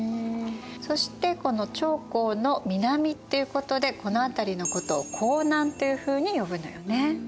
そしてこの長江の南っていうことでこの辺りのことを江南というふうに呼ぶのよね。